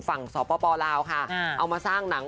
สปลาวค่ะเอามาสร้างหนัง